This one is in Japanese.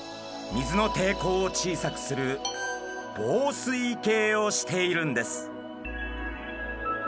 水のていこうを小さくする紡錘形をしているんです。